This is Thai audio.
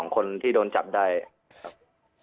คนที่โดนจับได้ครับ